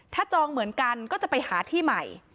ถ้าจองเหมือนกันก็จะไปหาที่ใหม่